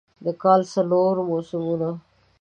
د کال څلور موسمونه